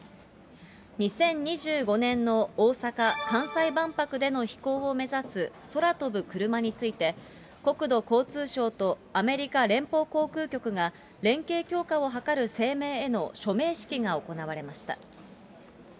２０２５年の大阪・関西万博での飛行を目指す空飛ぶ車について、国土交通省とアメリカ連邦航空局が、連携強化を図る声明への署名式が行われました。